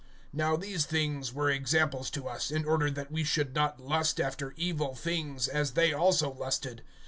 (6)Now these things were examples to us, in order that we should not lust after evil things, as they also lusted.